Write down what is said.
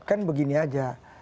kan begini aja